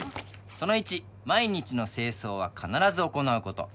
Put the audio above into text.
「その１毎日の清掃は必ず行う事」